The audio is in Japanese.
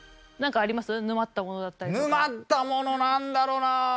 沼ったものなんだろな？